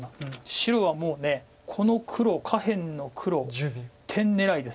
白はもうこの黒下辺の黒一点狙いです。